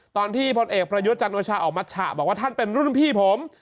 พลเอกประยุทธ์จันโอชาออกมาฉะบอกว่าท่านเป็นรุ่นพี่ผม